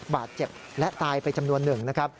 บาดเจ็บและตายไปจำนวนหนึ่งนะครับ